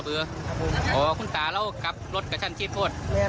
แผงพ่อนอันเบคเลอร์แล้ว